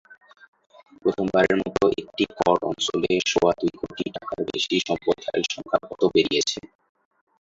প্রথমবারের মতো একটি কর অঞ্চলে সোয়া দুই কোটি টাকার বেশি সম্পদধারীর সংখ্যা কত পেরিয়েছে?